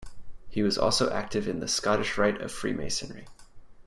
He was also active in the Scottish Rite of freemasonry.